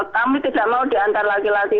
kami tidak mau diantar laki laki